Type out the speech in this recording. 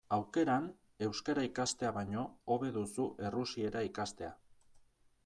Aukeran, euskara ikastea baino, hobe duzu errusiera ikastea.